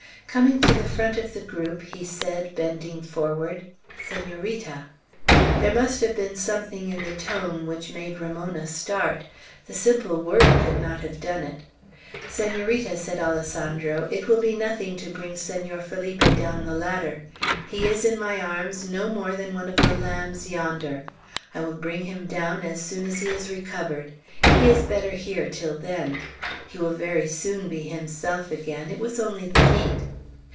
Coming to the front of the group he said, bending forward, "Senorita!" There must have been something in the tone which made Ramona start. The simple word could not have done it. "Senorita," said Alessandro, "it will be nothing to bring Senor Felipe down the ladder. He is, in my arms, no more than one of the lambs yonder. I will bring him down as soon as he is recovered. He is better here till then. He will very soon be himself again. It was only the heat."